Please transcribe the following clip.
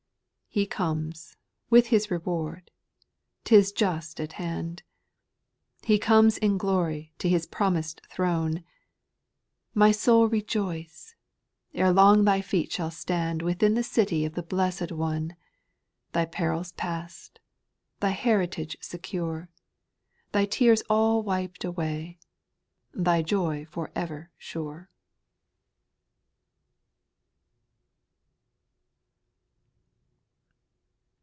5. He comes, with His reward; 'tis just at hand ; He comes in glory to His promised throne ; SPIRITUAL SONGS. 875 My soul rejoice ; ere long thy feet shall stand Within the city of the Blessed One, — Thy perils past, thy heritage secure, Thy tears all wiped away, thy joy for ever sure.